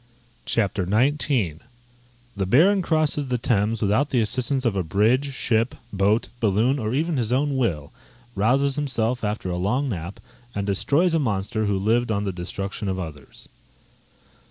CHAPTER XIX _The Baron crosses the Thames without the assistance of a bridge, ship, boat, balloon, or even his own will: rouses himself after a long nap, and destroys a monster who lived upon the destruction of others.